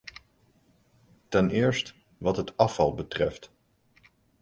Ten eerst wat het afval betreft.